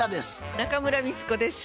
中村美律子です。